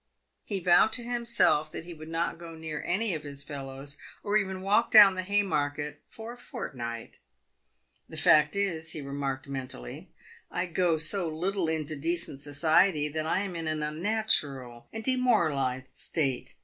He vowed to himself that he would not go near any of his fellows, or even walk down theHaymarket for a fortnight. " The fact is," he remarked mentally, " I go so little into decent society that I am in an unnatural and demoralised state.